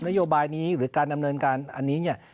นโยบายนี้หรือการดำเนินการอันนี้เนี่ย